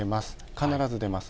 必ず出ます。